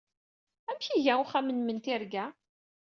Amek ay iga uxxam-nnem n tirga?